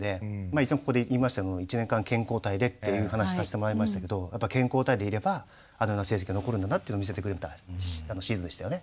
以前ここで言いました１年間健康体でっていう話させてもらいましたけどやっぱ健康体でいればあのような成績が残るんだなっていうのを見せてくれたシーズンでしたよね。